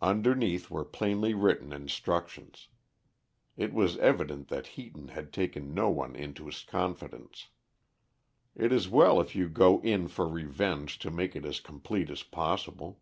Underneath were plainly written instructions. It was evident that Heaton had taken no one into his confidence. It is well if you go in for revenge to make it as complete as possible.